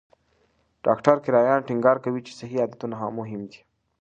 ډاکټر کرایان ټینګار کوي چې صحي عادتونه مهم دي.